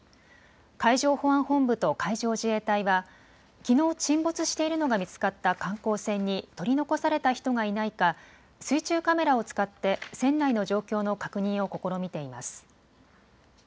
海上保安本部と海上自衛隊はきのう沈没しているのが見つかった観光船に取り残された人がいないか水中カメラを使って船内の状況の確認を試みています。